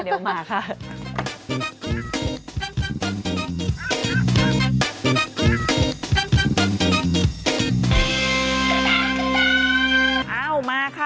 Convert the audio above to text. เดี๋ยวมาค่ะ